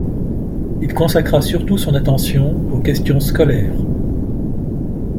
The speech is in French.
Il consacra surtout son attention aux questions scolaires.